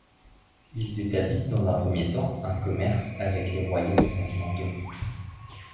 Ils établissent dans un premier temps un commerce avec les royaumes continentaux.